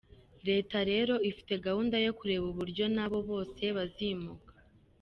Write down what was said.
Leta rero ifite gahunda yo kureba uburyo n’abo bose bazimuka.